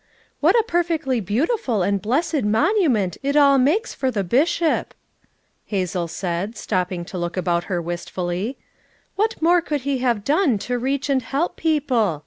"What a perfectly beautiful and blessed monument it all makes for the Bishop 1" Hazel said, stopping to look about her wistfully, "What more could he have done to reach and help people?